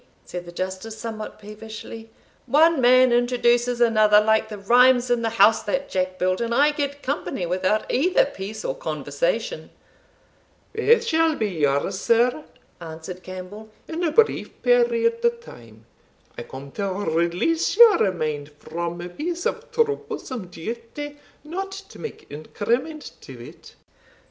said the Justice, somewhat peevishly. "One man introduces another, like the rhymes in the 'house that Jack built,' and I get company without either peace or conversation!" "Both shall be yours, sir," answered Campbell, "in a brief period of time. I come to release your mind from a piece of troublesome duty, not to make increment to it."